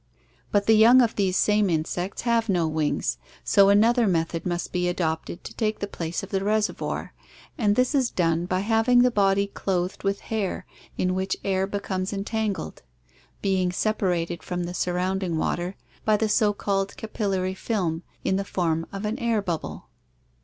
But the young of these same insects have no wings, so another method must be adopted to take the place of the reservoir, and this is done by having the body clothed with hair in which air becomes entangled, being separated from the surrounding water by the so called capillary film in the form of an air bubble.